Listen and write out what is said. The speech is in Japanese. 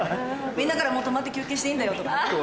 みんなから「もう止まって休憩していいんだよ」とかね。